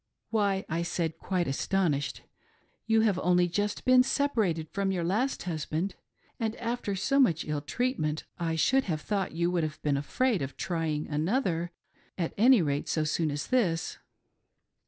"Why," I said, quite astonished, "you have only just been separated from your last husband, and after so much ill treat ment I should have thought you would have been afraid of trying another — at any rate, so soon as this."